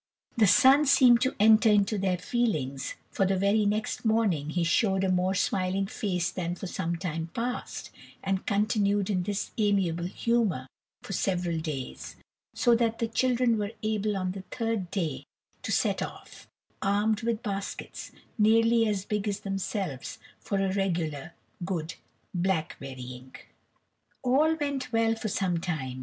The sun seemed to enter into their feelings, for the very next morning he showed a more smiling face than for some time past, and continued in this amiable humour for several days, so that the children were able on the third day to set off, armed with baskets nearly as big as themselves, for a regular good blackberrying. All went well for some time.